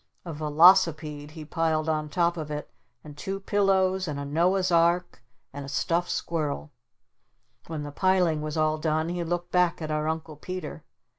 A velocipede he piled on top of it and two pillows and a Noah's Ark and a stuffed squirrel. When the piling was all done he looked back at our Uncle Peter.